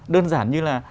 đơn giản như là